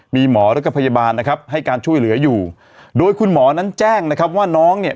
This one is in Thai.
มีหมอแล้วก็พยาบาลนะครับให้การช่วยเหลืออยู่โดยคุณหมอนั้นแจ้งนะครับว่าน้องเนี่ย